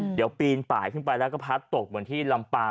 เดี๋ยวปีนป่ายขึ้นไปแล้วก็พัดตกเหมือนที่ลำปาง